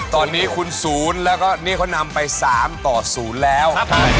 ตอนนี้คุณศูนย์แล้วก็นี่เขานำไป๓ต่อ๐แล้ว